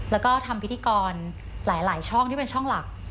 แล้วก็ทำพิธีกรหลายช่องที่เป็นช่องหลัก